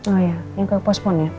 oh iya yang ke pospon ya